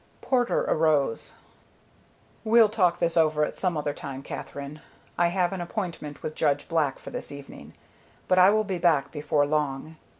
Porter arose. "We'll talk this over at some other time, Katherine. I have an appointment with Judge Black for this evening, but I will be back before long."